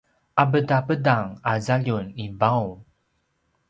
’apedapedang a zaljum i vaung